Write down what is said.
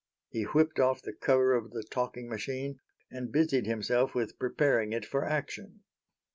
He whipped off the cover of the talking machine and busied himself with preparing it for action.